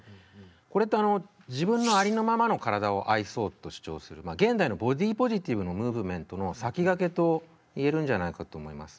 これって自分のありのままの体を愛そうと主張する現代のボディーポジティブのムーブメントの先駆けといえるんじゃないかと思います。